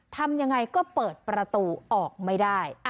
ทำยังไงก็เปิดประตูออกไม่ได้